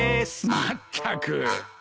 まったく。